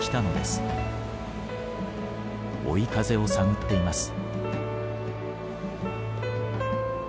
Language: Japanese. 追い風を探っています。